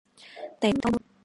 Té nước theo mưa.